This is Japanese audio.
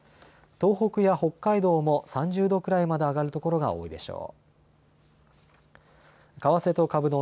東北や北海道も３０度くらいまで上がる所が多いでしょう。